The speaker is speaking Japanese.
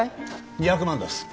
２００万出す。